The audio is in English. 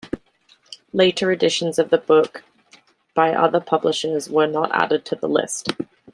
Later editions of the book by other publishers were not added to the list.